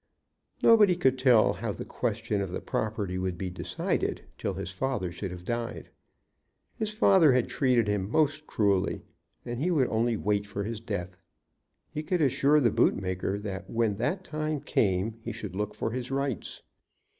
Nobody could tell how the question of the property would be decided till his father should have died. His father had treated him most cruelly, and he would only wait for his death. He could assure the boot maker that when that time came he should look for his rights.